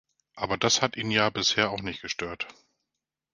Aber das hat ihn ja bisher auch nicht gestört.